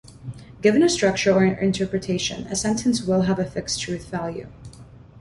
Given a structure or interpretation, a sentence will have a fixed truth value.